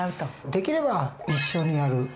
できれば一緒にやる。